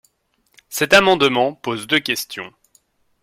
Cet amendement pose deux questions.